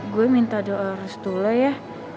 gue minta doa restula ya